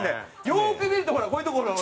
よーく見るとほらこういうところが。